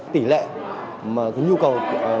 tỷ lệ nhu cầu